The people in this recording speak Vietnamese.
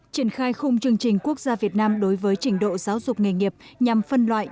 triển khai khung chương trình quốc gia việt nam đối với trình độ giáo dục nghề nghiệp nhằm phân loại